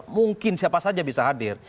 mungkin siapa saja bisa hadir